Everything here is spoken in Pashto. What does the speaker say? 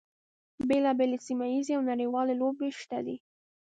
بیلا بېلې سیمه ییزې او نړیوالې لوبې شته دي.